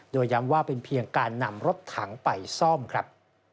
โดยย้ำว่าเป็นเพียงการนำรถถังไปซ่อมครับ